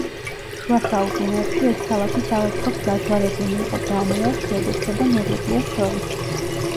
შუა საუკუნეებში ეს ქალაქი სავაჭრო გზაჯვარედინი იყო დანიას, შვედეთსა და ნორვეგიას შორის.